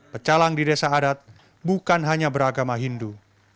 pecalang di desa adat bukan hanya beragama hindu